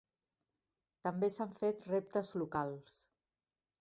També s'han fet reptes locals.